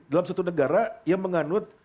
dalam satu negara yang menganut